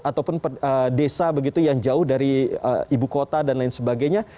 ataupun desa begitu yang jauh dari ibu kota dan lain sebagainya